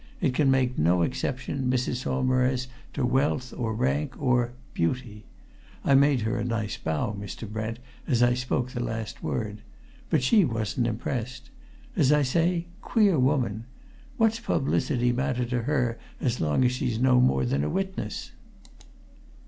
It can make no exception, Mrs. Saumarez, to wealth, or rank, or beauty.' I made her a nice bow, Mr. Brent, as I spoke the last word. But she wasn't impressed. As I say queer woman! What's publicity matter to her as long as she's no more than a witness?"